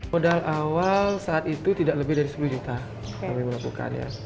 modal awal saat itu tidak lebih dari sepuluh juta kami melakukan ya